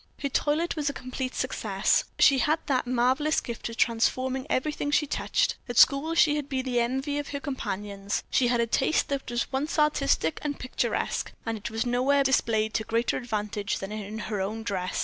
Her toilet was a complete success; she had that marvelous gift of transforming everything she touched. At school she had been the envy of her companions; she had a taste that was at once artistic and picturesque, and it was nowhere displayed to greater advantage than in her own dress.